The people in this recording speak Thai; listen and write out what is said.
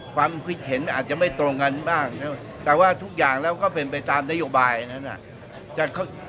ความคิดเห็นอาจจะไม่ตรงกันบ้างแต่ว่าทุกอย่างแล้วก็เป็นไปตามนโยบายนั้น